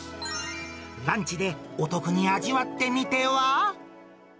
ランチでお得に味わってみては。